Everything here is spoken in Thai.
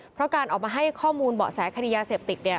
เพราะการออกมาให้ข้อมูลเบาะแสขธิยาเสบติก